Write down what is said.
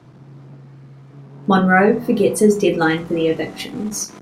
Monroe forgets his deadline for the evictions.